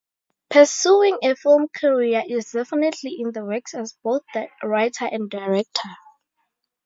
Pursuing a film career is definitely in the works as both writer and director.